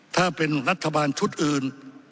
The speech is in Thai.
ถ้าเป็นรัฐบาลชุดอื่น